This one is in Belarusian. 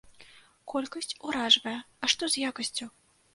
Колькасць уражвае, а што з якасцю?